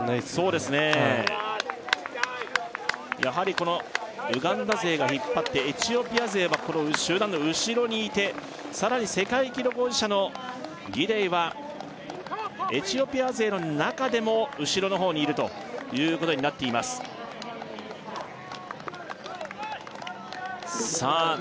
そうですねやはりこのウガンダ勢が引っ張ってエチオピア勢はこの集団の後ろにいてさらに世界記録保持者のギデイはエチオピア勢の中でも後ろのほうにいるということになっていますさあ